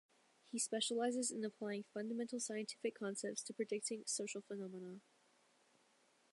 He specializes in applying fundamental scientific concepts to predicting social phenomena.